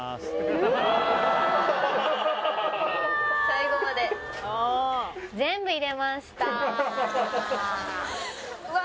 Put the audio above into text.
最後まで全部入れましたうわ